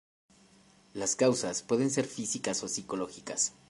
Las causas pueden ser físicas o psicológicas.